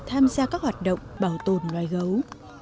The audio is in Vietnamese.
tham gia các hoạt động bảo tồn loài gấu